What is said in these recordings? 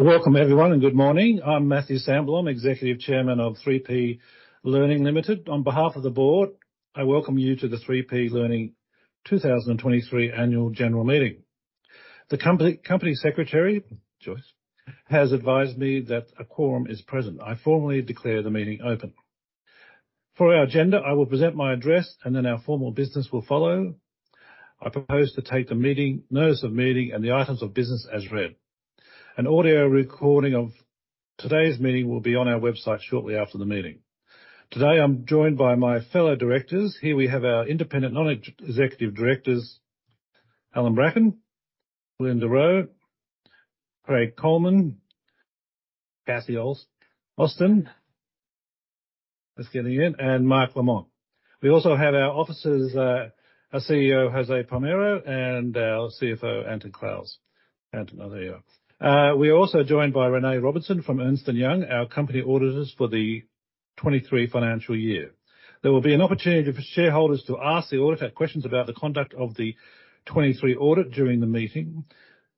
Welcome everyone, and good morning. I'm Matthew Sandblom, Executive Chairman of 3P Learning Limited. On behalf of the board, I welcome you to the 3P Learning 2023 Annual General Meeting. The company, company secretary, Joyce, has advised me that a quorum is present. I formally declare the meeting open. For our agenda, I will present my address, and then our formal business will follow. I propose to take the meeting, notice of meeting, and the items of business as read. An audio recording of today's meeting will be on our website shortly after the meeting. Today, I'm joined by my fellow directors. Here we have our independent non-executive directors, Allan Brackin, Linda Rowe, Craig Coleman, Kathy Ostin, just getting in, and Mark Lamont. We also have our officers, our CEO, Jose Palmero, and our CFO, Anton Clowes. Anton, oh, there you are. We are also joined by Renee Robertson from Ernst & Young, our company auditors for the 2023 financial year. There will be an opportunity for shareholders to ask the auditor questions about the conduct of the 2023 audit during the meeting.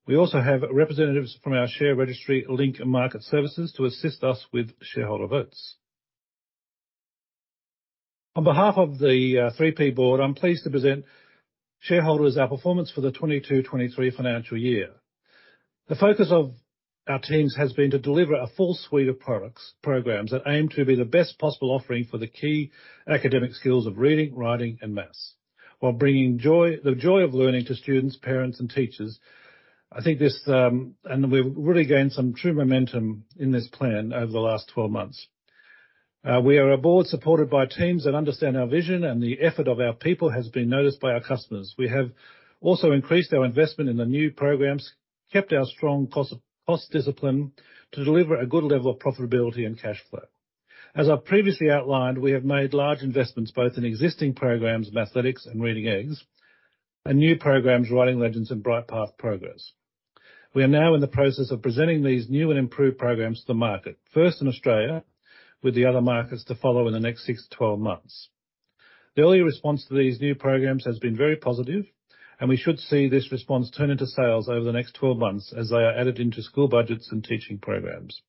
We also have representatives from our share registry, Link Market Services, to assist us with shareholder votes. On behalf of the 3P board, I'm pleased to present shareholders our performance for the 2022/2023 financial year. The focus of our teams has been to deliver a full suite of products, programs that aim to be the best possible offering for the key academic skills of reading, writing, and maths, while bringing joy, the joy of learning to students, parents, and teachers. I think this. We've really gained some true momentum in this plan over the last 12 months. We are a board supported by teams that understand our vision, and the effort of our people has been noticed by our customers. We have also increased our investment in the new programs, kept our strong cost discipline to deliver a good level of profitability and cash flow. As I've previously outlined, we have made large investments, both in existing programs, Mathletics and Reading Eggs, and new programs, Writing Legends and Brightpath Progress. We are now in the process of presenting these new and improved programs to the market, first in Australia, with the other markets to follow in the next six to 12 months. The early response to these new programs has been very positive, and we should see this response turn into sales over the next 12 months as they are added into school budgets and teaching programs.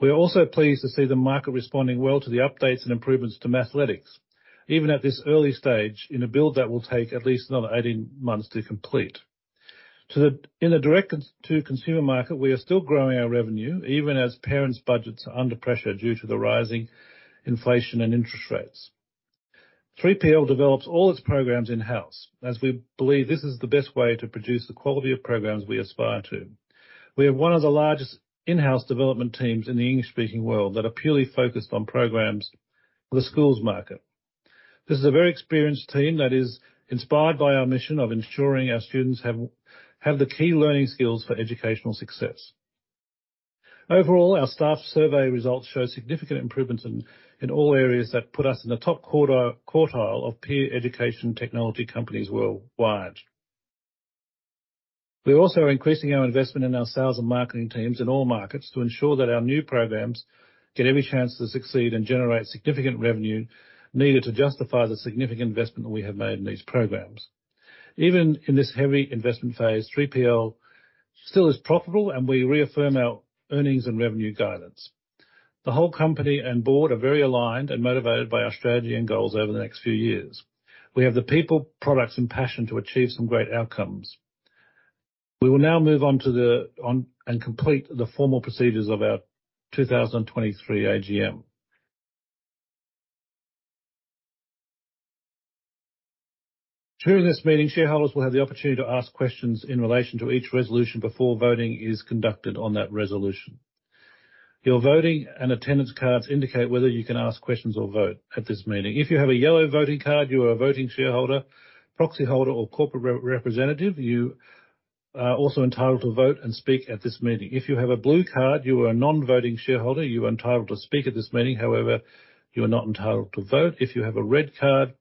We are also pleased to see the market responding well to the updates and improvements to Mathletics, even at this early stage, in a build that will take at least another 18 months to complete. In the direct to consumer market, we are still growing our revenue, even as parents' budgets are under pressure due to the rising inflation and interest rates. 3PL develops all its programs in-house, as we believe this is the best way to produce the quality of programs we aspire to. We are one of the largest in-house development teams in the English-speaking world that are purely focused on programs for the schools market. This is a very experienced team that is inspired by our mission of ensuring our students have the key learning skills for educational success. Overall, our staff survey results show significant improvements in all areas that put us in the top quartile of peer education technology companies worldwide. We are also increasing our investment in our sales and marketing teams in all markets to ensure that our new programs get every chance to succeed and generate significant revenue needed to justify the significant investment we have made in these programs. Even in this heavy investment phase, 3PL still is profitable, and we reaffirm our earnings and revenue guidance. The whole company and board are very aligned and motivated by our strategy and goals over the next few years. We have the people, products, and passion to achieve some great outcomes. We will now move on to and complete the formal procedures of our 2023 AGM. During this meeting, shareholders will have the opportunity to ask questions in relation to each Resolution before voting is conducted on that Resolution. Your voting and attendance cards indicate whether you can ask questions or vote at this meeting. If you have a yellow voting card, you are a voting shareholder, proxy holder, or corporate rep, representative. You are also entitled to vote and speak at this meeting. If you have a blue card, you are a non-voting shareholder. You are entitled to speak at this meeting. However, you are not entitled to vote. If you have a red card,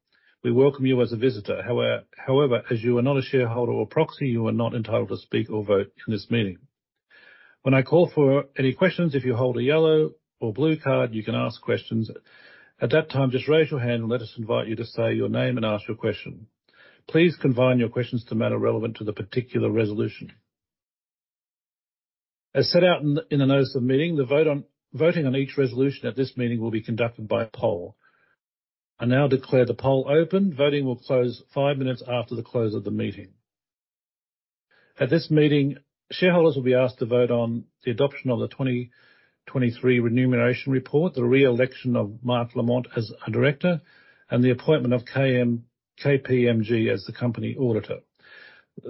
we welcome you as a visitor. However, as you are not a shareholder or proxy, you are not entitled to speak or vote in this meeting. When I call for any questions, if you hold a yellow or blue card, you can ask questions. At that time, just raise your hand and let us invite you to say your name and ask your question. Please confine your questions to the matter relevant to the particular Resolution. As set out in the notice of meeting, the voting on each Resolution at this meeting will be conducted by poll. I now declare the poll open. Voting will close five minutes after the close of the meeting. At this meeting, shareholders will be asked to vote on the adoption of the 2023 Remuneration Report, the re-election of Mark Lamont as a Director, and the appointment of KPMG as the company auditor.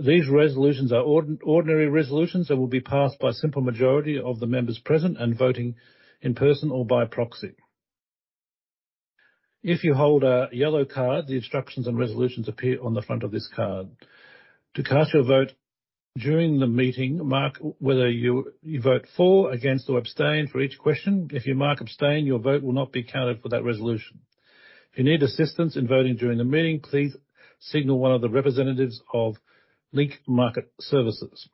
These Resolutions are ordinary Resolutions that will be passed by a simple majority of the members present and voting in person or by proxy. If you hold a yellow card, the instructions and Resolutions appear on the front of this card. To cast your vote during the meeting, mark whether you vote for, against, or abstain for each question. If you mark abstain, your vote will not be counted for that Resolution. If you need assistance in voting during the meeting, please signal one of the representatives of Link Market Services.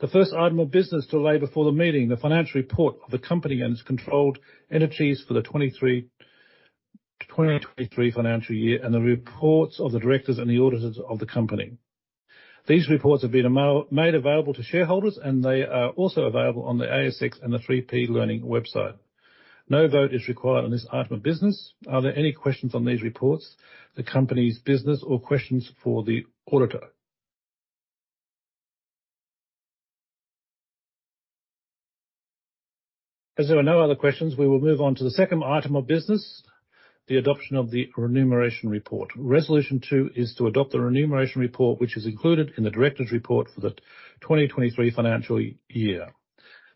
The first item of business to lay before the meeting, the financial report of the company and its controlled entities for the 2023 financial year and the reports of the directors and the auditors of the company. These reports have been made available to shareholders, and they are also available on the ASX and the 3P Learning website. No vote is required on this item of business. Are there any questions on these reports, the company's business, or questions for the auditor? As there are no other questions, we will move on to the second item of business, the adoption of the Remuneration Report. Resolution 2 is to adopt the Remuneration Report, which is included in the Directors' Report for the 2023 financial year.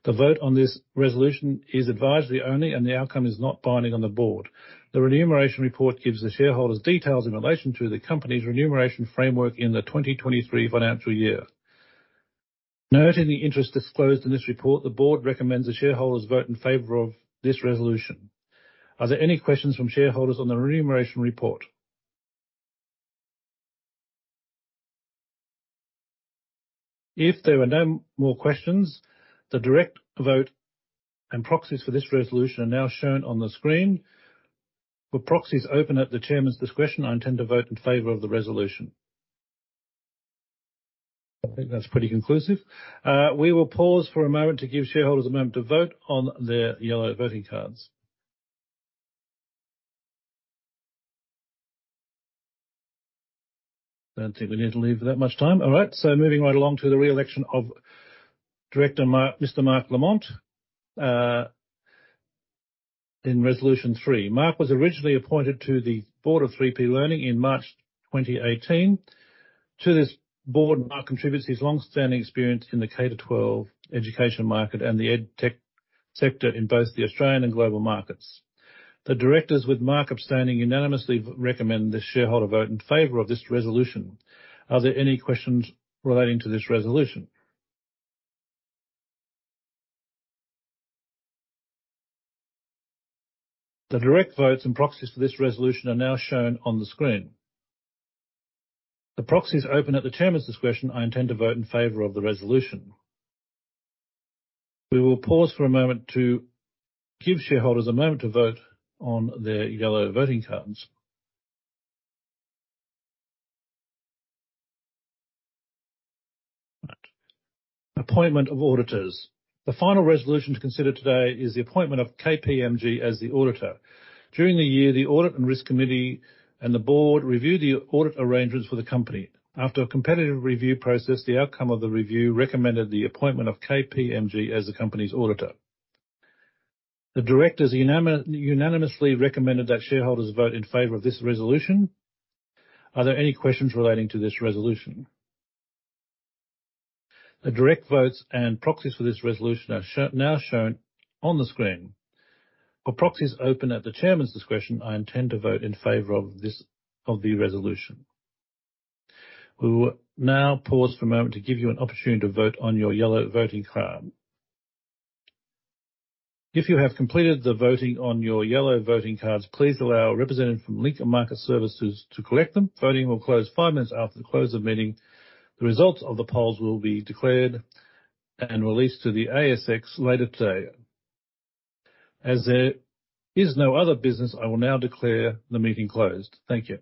The vote on this Resolution is advisory only, and the outcome is not binding on the Board. The Remuneration Report gives the shareholders details in relation to the company's remuneration framework in the 2023 financial year. Noting the interest disclosed in this report, the Board recommends the shareholders vote in favor of this Resolution. Are there any questions from shareholders on the Remuneration Report? If there are no more questions, the direct vote and proxies for this Resolution are now shown on the screen, with proxies open at the Chairman's discretion. I intend to vote in favor of the Resolution. I think that's pretty conclusive. We will pause for a moment to give shareholders a moment to vote on their yellow voting cards. I don't think we need to leave that much time. All right, so moving right along to the re-election of Director Mark, Mr. Mark Lamont. In Resolution 3, Mark was originally appointed to the board of 3P Learning in March 2018. To this board, Mark contributes his long-standing experience in the K-12 education market and the EdTech sector in both the Australian and global markets. The directors, with Mark abstaining, unanimously recommend the shareholder vote in favor of this Resolution. Are there any questions relating to this Resolution? The direct votes and proxies for this Resolution are now shown on the screen. The proxy is open at the chairman's discretion. I intend to vote in favor of the Resolution. We will pause for a moment to give shareholders a moment to vote on their yellow voting cards. Appointment of auditors. The final Resolution to consider today is the appointment of KPMG as the auditor. During the year, the Audit and Risk Committee and the board reviewed the audit arrangements for the company. After a competitive review process, the outcome of the review recommended the appointment of KPMG as the company's auditor. The directors unanimously recommended that shareholders vote in favor of this Resolution. Are there any questions relating to this Resolution? The direct votes and proxies for this Resolution are now shown on the screen, with proxies open at the chairman's discretion. I intend to vote in favor of this, of the Resolution. We will now pause for a moment to give you an opportunity to vote on your yellow voting card. If you have completed the voting on your yellow voting cards, please allow a representative from Link Market Services to collect them. Voting will close five minutes after the close of meeting. The results of the polls will be declared and released to the ASX later today. As there is no other business, I will now declare the meeting closed. Thank you.